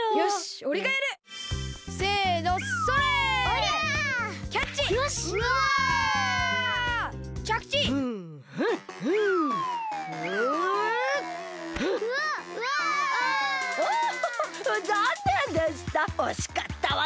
おしかったわね！